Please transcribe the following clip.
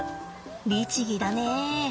律儀だね。